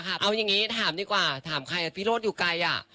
ค่ะเอาอย่างงี้ถามดีกว่าถามใครพี่โรดอยู่ไกลอ่ะใคร